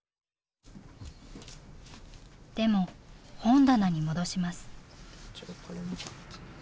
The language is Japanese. でも本棚に戻します。